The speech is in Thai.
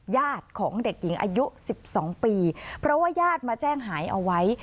ญาติของเด็กหญิงอายุ๑๒ปีเพราะว่าญาติมาแจ้งหายเอาไว้